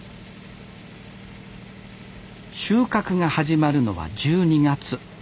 収穫が始まるのは１２月。